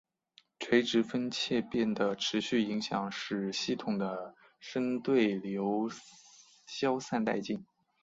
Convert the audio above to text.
垂直风切变的持续影响使系统的深对流消散殆尽。